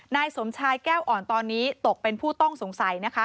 นายสมชายแก้วอ่อนตอนนี้ตกเป็นผู้ต้องสงสัยนะคะ